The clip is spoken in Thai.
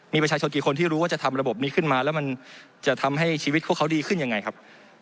มีประชาชนกี่คนที่รู้ว่าจะทำระบบนี้ขึ้นมาแล้วมันจะทำให้ชีวิตพวกเขาดีขึ้นยังไงครับ